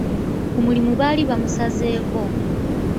Ku mulimu baali bamusazeeko.